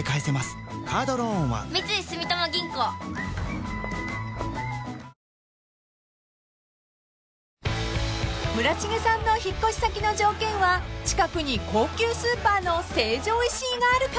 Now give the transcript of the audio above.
本麒麟［村重さんの引っ越し先の条件は近くに高級スーパーの成城石井があるか］